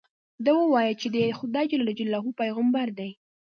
ده وویل چې دې د خدای جل جلاله پیغمبر دی.